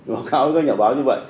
báo cáo với các nhà báo như vậy